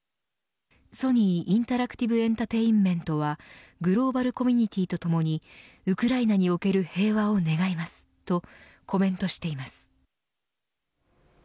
ソニー・インタラクティブエンタテインメントはグローバルコミュニティーとともにウクライナにおける平和を願いますとコメントしています。